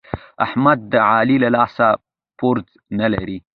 احمد د علي له لاسه ورځ نه لري.